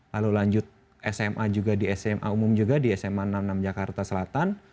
lalu lanjut sma juga di sma umum juga di sma enam puluh enam jakarta selatan